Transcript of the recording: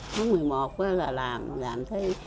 tháng một mươi một là làm